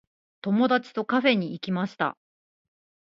友達とカフェに行きました。